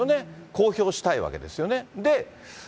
公表したいわけですよね。